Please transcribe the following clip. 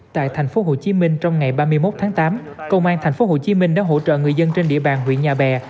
tại thành phố hồ chí minh trong ngày ba mươi một tháng tám công an thành phố hồ chí minh đã hỗ trợ người dân trên địa bàn huyện nhà bè